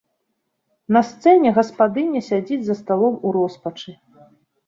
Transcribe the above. На сцэне гаспадыня сядзіць за сталом у роспачы.